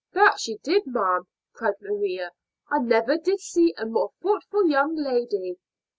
"That she did, ma'am," cried Maria. "I never did see a more thoughtful young lady."